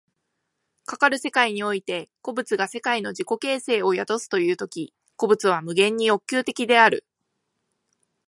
かかる世界において個物が世界の自己形成を宿すという時、個物は無限に欲求的である。